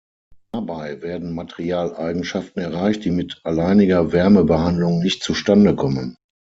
Dabei werden Materialeigenschaften erreicht, die mit alleiniger Wärmebehandlung nicht zustande kommen.